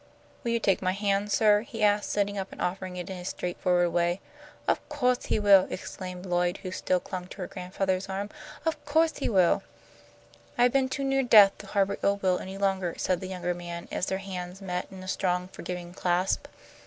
"Will you take my hand, sir?" he asked, sitting up and offering it in his straightforward way. "Of co'se he will!" exclaimed Lloyd, who still clung to her grandfather's arm. "Of co'se he will!" "I have been too near death to harbour ill will any longer," said the younger man, as their hands met in a strong, forgiving clasp.